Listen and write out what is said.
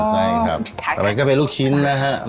เวลาก็เป็นลูกชิ้นนะครับ